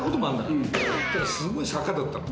すごい坂だったの。